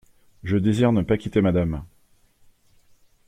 Je désire ne pas quitter Madame.